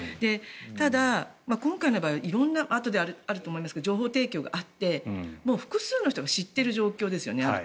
ただ、今回の場合はあとであると思いますが色んな情報提供があって複数の人がある程度知ってる状況ですよね。